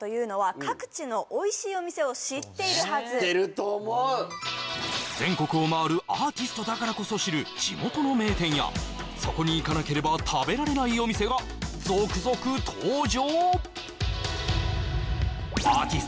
知ってると思う全国を回るアーティストだからこそ知る地元の名店やそこに行かなければ食べられないお店が続々登場・